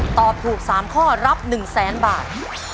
ตอบถูก๓ข้อรับ๑แสนบาท